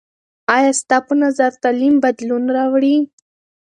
آیا ستا په نظر تعلیم بدلون راوړي؟